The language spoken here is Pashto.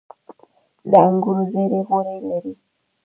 د انګورو زړې غوړي لري.